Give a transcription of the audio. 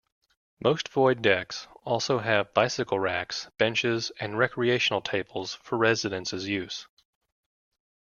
Most void decks also have bicycle racks, benches, and recreational tables for residents' use.